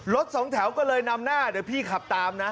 สองแถวก็เลยนำหน้าเดี๋ยวพี่ขับตามนะ